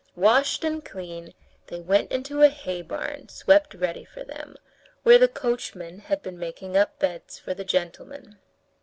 Washed and clean, they went into a hay barn swept ready for them, where the coachman had been making up beds for the gentlemen.